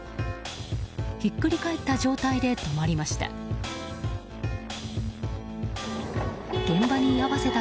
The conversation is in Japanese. ひっくり返った状態で止まりました。